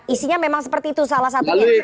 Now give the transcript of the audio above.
isinya memang seperti itu salah satunya